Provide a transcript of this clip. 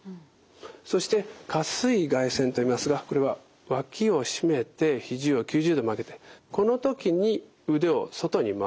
そして下垂位外旋といいますがこれは脇を締めて肘を９０度曲げてこの時に腕を外に回す。